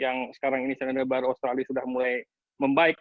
yang sekarang ini sedemi baru australia sudah mulai membaik